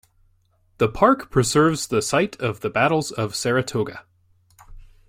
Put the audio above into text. The park preserves the site of the Battles of Saratoga.